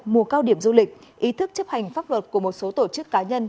mùa cao điểm du lịch ý thức chấp hành pháp luật của một số tổ chức cá nhân